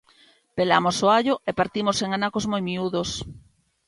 Pelamos o allo e partimos en anacos moi miúdos.